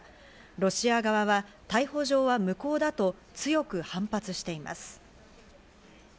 ロシア側は逮捕状は無効だと強く反発しています。